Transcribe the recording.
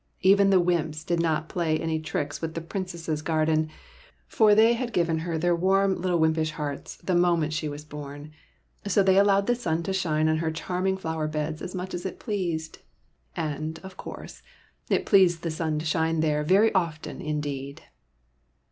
Even thfe wymps did not play any tricks with the Princess's gar den ; for they had given her their warm little 72 SOMEBODY ELSE'S PRINCE wympish hearts the moment she was born ; so they allowed the sun to shine on her charming flower beds as much as it pleased — and, of course, it pleased the sun to shine there very often indeed.